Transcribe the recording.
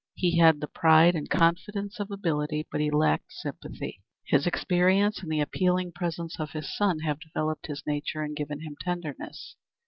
He had the pride and confidence of ability, but he lacked sympathy. His experience and the appealing presence of his son have developed his nature and given him tenderness.